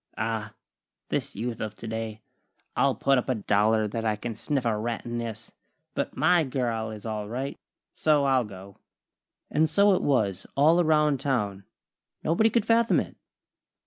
Ah! This Youth of today! I'll put up a dollar that I can sniff a rat in this. But my girl is all right, so I'll go." And so it was, all around town. Nobody could fathom it.